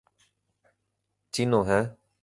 চিনো, হ্যাঁ।